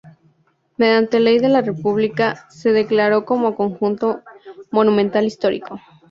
Mediante Ley de la República, se declaró como conjunto monumental histórico.